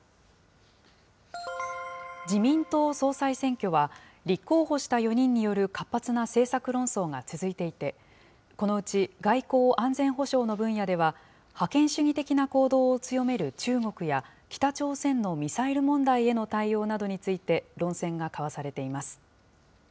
自民党総裁選挙は、立候補した４人による活発な政策論争が続いていて、このうち外交・安全保障の分野では、覇権主義的な行動を強める中国や、北朝鮮のミサイル問題への対応などについて、論戦が交わされています。